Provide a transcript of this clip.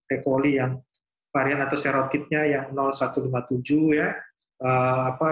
e coli yang varian atau serotidnya yang satu lima tujuh ya